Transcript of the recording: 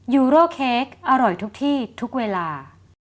นิททุกเวลา